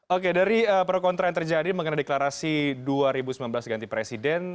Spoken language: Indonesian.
oke dari pro kontra yang terjadi mengenai deklarasi dua ribu sembilan belas ganti presiden